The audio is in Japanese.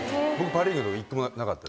パ・リーグでは一個もなかった。